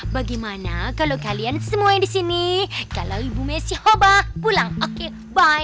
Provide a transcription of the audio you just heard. bagaimana kalau kalian semua yang di sini kalau ibu messi hoba pulang oke baik